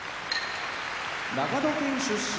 長野県出身